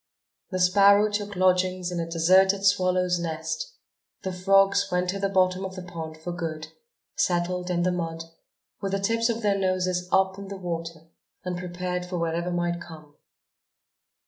The sparrow took lodgings in a deserted swallow's nest; the frogs went to the bottom of the pond for good, settled in the mud, with the tips of their noses up in the water and prepared for whatever might come.